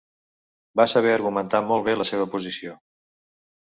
Va saber argumentar molt bé la seva posició.